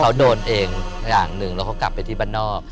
เขาโดนเองอย่างหนึ่งแล้วเขากลับไปที่บ้านนอก